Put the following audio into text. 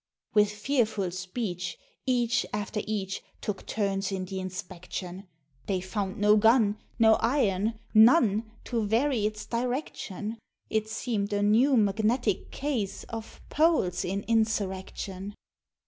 With fearful speech, each after each Took turns in the inspection; They found no gun no iron none To vary its direction; It seem'd a new magnetic case Of Poles in Insurrection!